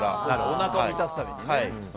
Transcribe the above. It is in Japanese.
おなかを満たすためにね。